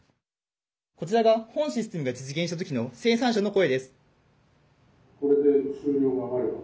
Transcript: こちらが本システムが実現した時の生産者の声です。